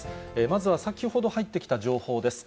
まずは先ほど入ってきた情報です。